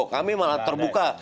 kami malah terbuka